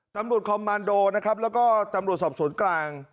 จำรวจนะครับแล้วก็จำรวจสอบศูนย์กลาง